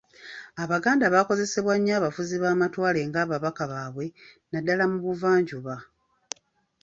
Abaganda baakozesebwa nnyo abafuzi b'amatwale nga ababaka baabwe naddala mu buvanjuba.